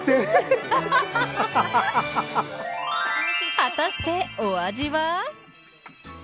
果たしてお味は。